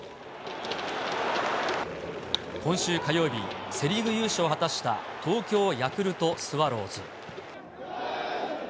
今週火曜日、セ・リーグ優勝を果たした東京ヤクルトスワローズ。